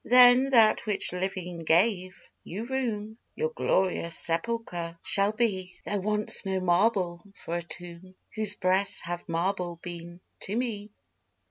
Then that which living gave you room, Your glorious sepulchre shall be; There wants no marble for a tomb, Whose breast hath marble been to me.